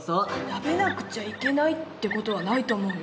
食べなくちゃいけないって事はないと思うよ。